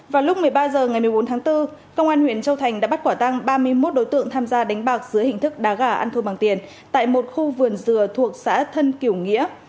vào lúc một mươi ba h ngày một mươi bốn tháng bốn công an huyện châu thành đã bắt quả tăng ba mươi một đối tượng tham gia đánh bạc dưới hình thức đá gà ăn thua bằng tiền tại một khu vườn dừa thuộc xã thân kiểu nghĩa